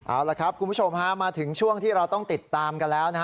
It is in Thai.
เอาละครับคุณผู้ชมฮะมาถึงช่วงที่เราต้องติดตามกันแล้วนะฮะ